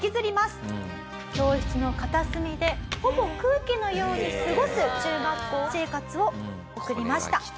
教室の片隅でほぼ空気のように過ごす中学校生活を送りました。